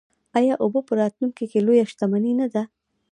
آیا اوبه په راتلونکي کې لویه شتمني نه ده؟